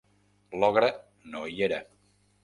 L'ogre no hi era.